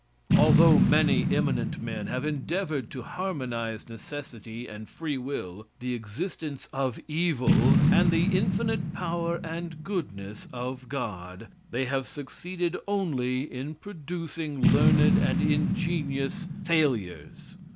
Although many eminent men have endeavored to harmonize necessity and free will, the existence of evil, and the infinite power and goodness of God, they have succeeded only in producing learned and ingenious failures.